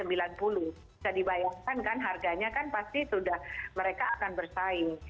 bisa dibayangkan kan harganya kan pasti sudah mereka akan bersaing